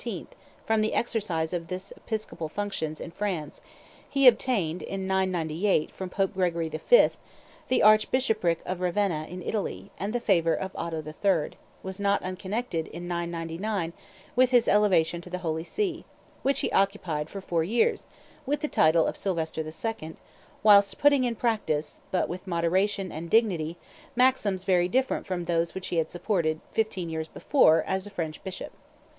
from the exercise of his episcopal functions in France, he obtained, in 998, from Pope Gregory V., the archbishopric of Ravenna in Italy, and the favor of Otho III. was not unconnected, in 999, with his elevation to the Holy See, which he occupied for four years, with the title of Sylvester II., whilst putting in practice, but with moderation and dignity, maxims very different from those which he had supported, fifteen years before, as a French bishop.